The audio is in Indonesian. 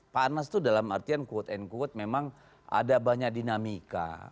panas itu dalam artian quote and quote memang ada banyak dinamika